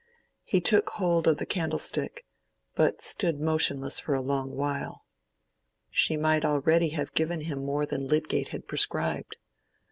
He took hold of the candlestick, but stood motionless for a long while. She might already have given him more than Lydgate had prescribed.